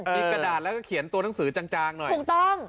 มีกระดาษแล้วก็เขียนตัวหนังสือจางหน่อยถูกต้อง